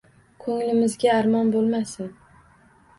Kunglimizga armon bulmasin